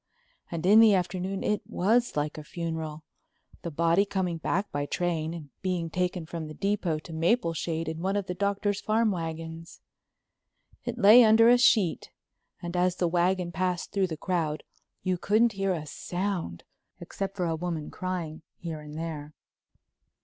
And in the afternoon it was like a funeral, the body coming back by train and being taken from the depot to Mapleshade in one of the Doctor's farm wagons. It lay under a sheet and as the wagon passed through the crowd you couldn't hear a sound, except for a woman crying here and there.